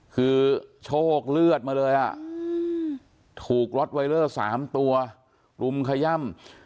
คือโชคเลือดมาเลยถูกรถไวเลอร์๓ตัวรุมขย่ำ